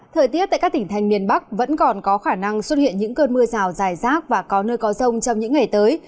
thời tiết tại các tỉnh thành miền bắc vẫn còn có khả năng xuất hiện những cơn mưa rào dài rác và có nơi có rông trong những ngày tới